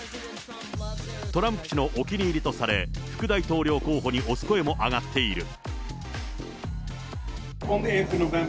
トランプ氏のお気に入りとされ、副大統領候補に推す声も上がっている。